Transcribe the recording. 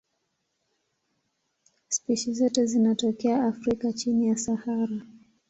Spishi zote zinatokea Afrika chini ya Sahara.